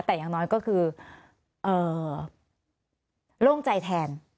แต่อย่างน้อยก็คือโล่งใจแทน